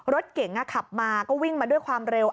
รถเก๋งขับมาก็วิ่งมาด้วยความเร็ว